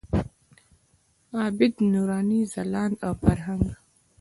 عابد، نوراني، ځلاند او فرهنګ.